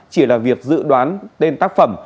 chỉ là việc dự đoán tên tác phẩm